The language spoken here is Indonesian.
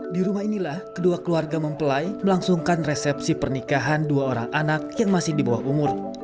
di rumah inilah kedua keluarga mempelai melangsungkan resepsi pernikahan dua orang anak yang masih di bawah umur